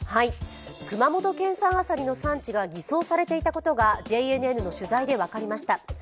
熊本県産アサリの産地が偽装されていたことがＪＮＮの取材で分かりました。